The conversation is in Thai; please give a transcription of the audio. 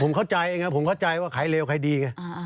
ผมเข้าใจเองนะผมเข้าใจว่าใครเลวใครดี